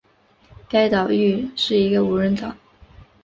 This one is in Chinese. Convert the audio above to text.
该岛屿是一个无人岛。